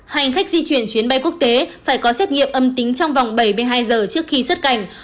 hành khách di chuyển chuyến bay quốc tế phải có xét nghiệm âm tính trong vòng bảy mươi hai giờ trước khi xuất cảnh